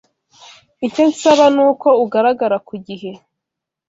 Icyo nsaba nuko ugaragara ku gihe.